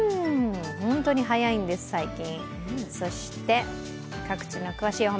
本当に早いんです、最近。